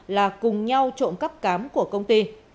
là cùng nhau trộm cắt cám của công ty